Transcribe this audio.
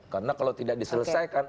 karena kalau tidak diselesaikan